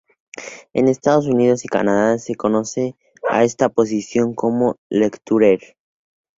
En Estados Unidos y Canadá se conoce a esta posición como "lecturer".